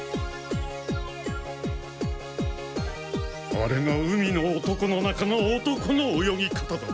あれが海の男の中の男の泳ぎ方だ。